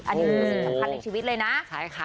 อันนี้คือสิ่งสำคัญในชีวิตเลยนะ